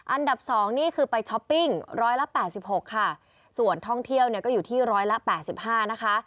อันดับสองนี่คือไปช้อปปิ้งร้อยละ๘๖ค่ะส่วนท่องเที่ยวก็อยู่ที่ร้อยละ๘๕นะคะ